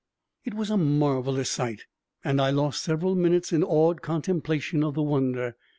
It was a marvelous sight and I lost several minutes in awed contemplation of the wonder.